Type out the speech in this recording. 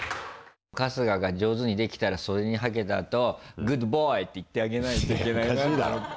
春日が上手にできたら袖にはけたあと「グッドボーイ」って言ってあげないといけないなと。